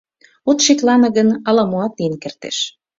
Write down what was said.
От шеклане гын, ала-моат лийын кертеш.